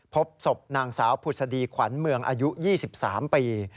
พบศพนางสาวผุศดีขวัญเมืองอายุ๒๓ปี